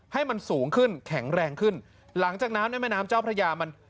ให้มันสูงขึ้นแข็งแรงขึ้นหลังจากน้ำในแม่น้ำเจ้าพระยามัน